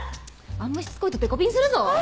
あんましつこいとデコピンするぞ！